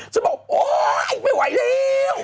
ฉันบอกโอ๊ยไม่ไหวแล้ว